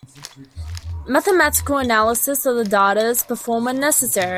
Mathematical analysis of the data is performed when necessary.